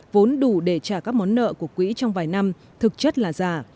vốn đủ để trả các món nợ của quỹ trong vài năm thực chất là giả